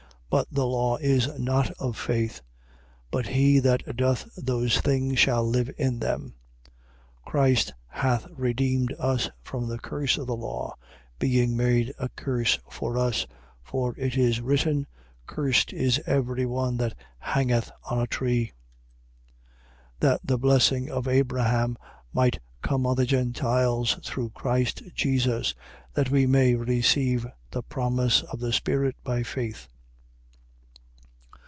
3:12. But the law is not of faith: but he that doth those things shall live in them. 3:13. Christ hath redeemed us from the curse of the law, being made a curse for us (for it is written: Cursed is every one that hangeth on a tree). 3:14. That the blessing of Abraham might come on the Gentiles through Christ Jesus: that we may receive the promise of the Spirit by faith.